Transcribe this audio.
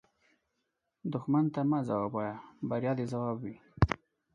دښمن ته مه ځواب وایه، بریا دې ځواب وي